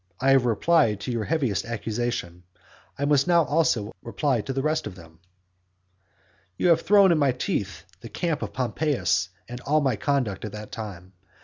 I have replied to your heaviest accusations, I must now also reply to the rest of them. XV. You have thrown in my teeth the camp of Pompeius and all my conduct at that time.